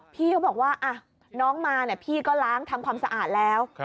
พี่เขาบอกว่าน้องมาพี่ก็ล้างทำความสะอาดแล้ว